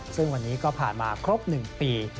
ซึ่งวันนี้ก็ผ่านมาครบ๑ปี